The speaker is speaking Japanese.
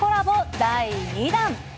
第２弾。